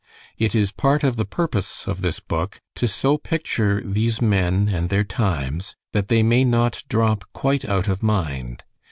It is part of the purpose of this book to so picture these men and their times that they may not drop quite out of mind.